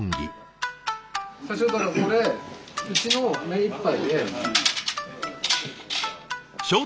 社長これうちの目いっぱいで。